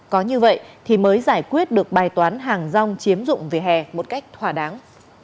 có như vậy thì mới giải quyết được bài toán hàng rong chiếm dụng về hè một cách thỏa đáng